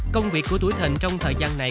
công việc của tuổi thình trong thời gian này